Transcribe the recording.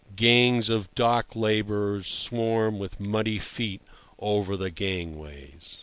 Gangs of dock labourers swarm with muddy feet over the gangways.